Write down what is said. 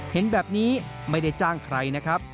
เห็นแบบนี้ไม่ได้จ้างใครนะครับ